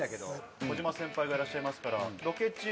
児嶋先輩がいらっしゃいますから。